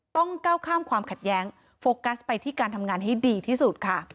ต้องก้าวข้ามความขัดแย้งโฟกัสไปที่การทำงานให้ดีที่สุดค่ะ